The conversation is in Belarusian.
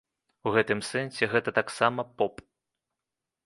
У гэтым сэнсе гэта таксама поп.